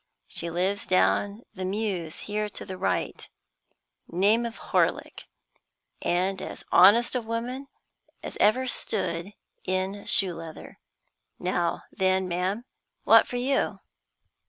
She lives down the Mews here to the right name of Horlick, and as honest a woman as ever stood in shoe leather. Now, then, ma'am, what for you?"